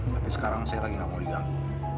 tapi sekarang saya lagi nggak mau diganggu